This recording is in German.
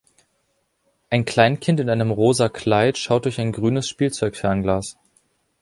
Ein Kleinkind in einem rosa Kleid schaut durch ein grünes Spielzeugfernglas.